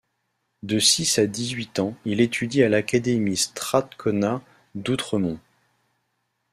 De six à dix-huit ans, il étudie à l'Académie Strathcona d'Outremont.